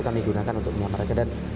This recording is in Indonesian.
kami gunakan untuk menyapa rakyat dan